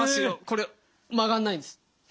これ曲がんないんです。